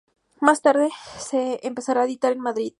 Más tarde, se empezará a editar en Madrid.